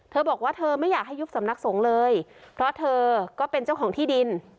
เธอบอกว่าเธอไม่อยากให้ยุบสำนักสงฆ์เลยเพราะเธอก็เป็นเจ้าของที่ดิน